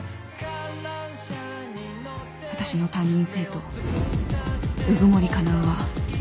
私の担任生徒鵜久森叶は